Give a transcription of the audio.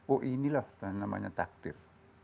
oh inilah namanya takdir